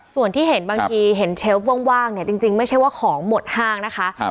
ส่วนที่เห็นบางทีเห็นเชฟว่างเนี่ยจริงไม่ใช่ว่าของหมดห้างนะคะ